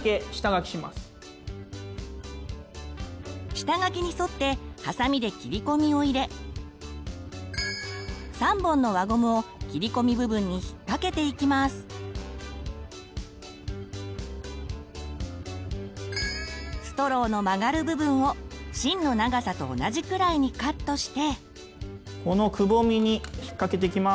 下書きに沿ってハサミで切り込みを入れストローの曲がる部分を芯の長さと同じくらいにカットして。